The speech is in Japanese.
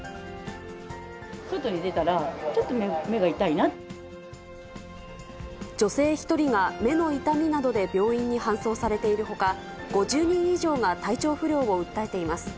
外に出たら、ちょっと目が痛女性１人が目の痛みなどで病院に搬送されているほか、５０人以上が体調不良を訴えています。